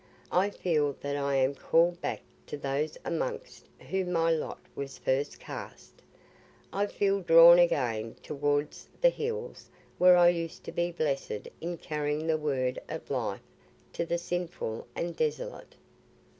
I feel that I am called back to those amongst whom my lot was first cast. I feel drawn again towards the hills where I used to be blessed in carrying the word of life to the sinful and desolate."